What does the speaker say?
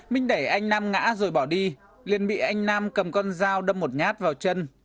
minh đẩy anh nam ngã rồi bỏ đi liền bị anh nam cầm con dao đâm một nhát vào chân